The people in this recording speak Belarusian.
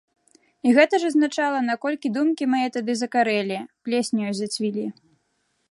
І гэта ж азначала, наколькі думкі мае тады закарэлі, плесняю зацвілі.